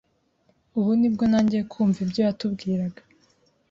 ubu nibwo ntangiye kumva ibyo yatubwiraga